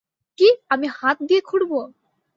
কি, আমি হাঁত দিয়ে খুড়ব?